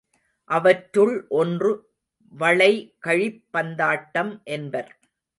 அவற்றுள் ஒன்று வளைகழிப் பந்தாட்டம் என்பர்.